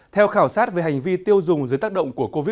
theo khảo sát về hành vi tiêu dùng dưới tác động của covid một mươi